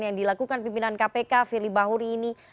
yang dilakukan pimpinan kpk firly bahuri ini